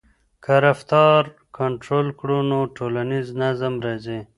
که رفتار کنټرول کړو نو ټولنیز نظم راځي.